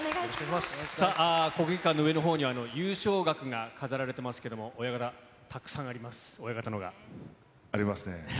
さあ、国技館の上のほうには、優勝額が飾られていますけれども、親方、ありますね。